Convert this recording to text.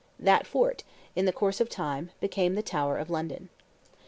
That fort, in the course of time, became the Tower of London.